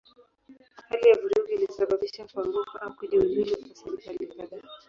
Hali ya vurugu ilisababisha kuanguka au kujiuzulu kwa serikali kadhaa.